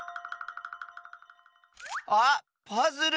あっパズル！